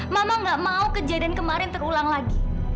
mama gak mau kejadian kemarin terulang lagi